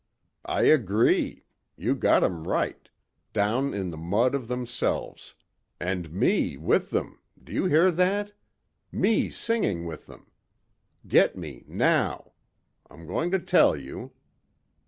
"I agree. You got 'em right. Down in the mud of themselves. And me with them, do you hear that! Me singing with 'em. Get me, now. I'm going to tell you."